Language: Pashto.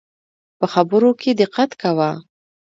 په خبرو کي دقت کوه